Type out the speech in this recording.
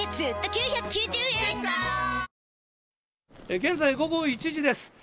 現在、午後１時です。